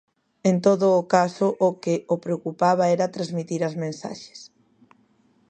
En todo o caso, o que o preocupaba era transmitir as mensaxes.